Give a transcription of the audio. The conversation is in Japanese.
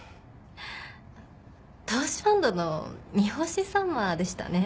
投資ファンドの三星さまでしたね。